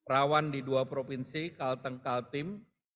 rawan di dua provinsi kalteng kaltim